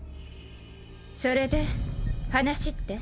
それで話って？